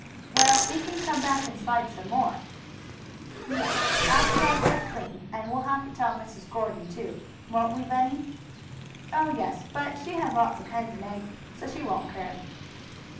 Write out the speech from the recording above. "Well, we can come back and slide some more." "Yes, after I get clean. And we'll have to tell Mrs. Gordon, too; won't we, Bunny?" "Oh, yes. But she has lots of hens and eggs, so she won't care."